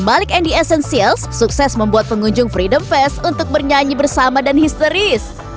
malik and the essentials sukses membuat pengunjung freedom fest untuk bernyanyi bersama dan histeris